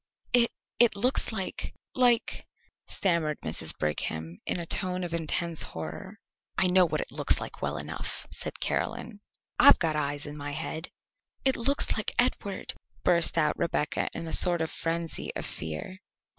"It it looks like like " stammered Mrs. Brigham in a tone of intense horror. "I know what it looks like well enough," said Caroline. "I've got eyes in my head." "It looks like Edward," burst out Rebecca in a sort of frenzy of fear.